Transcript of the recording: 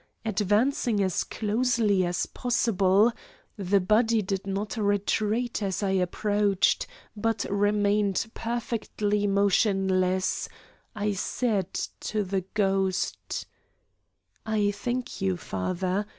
Advancing as closely as possible the body did not retreat as I approached, but remained perfectly motionless I said to the ghost: "I thank you, father.